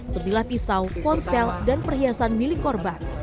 sebilah pisau ponsel dan perhiasan milik korban